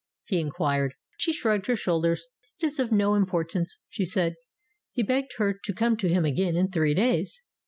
he inquired. She shrugged her shoulders. "It is of no impor tance," she said. He begged her to come to him again in three days.